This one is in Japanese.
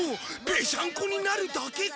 ぺしゃんこになるだけか